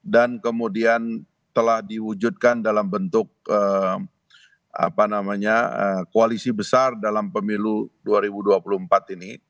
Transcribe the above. dan kemudian telah diwujudkan dalam bentuk koalisi besar dalam pemilu dua ribu dua puluh empat ini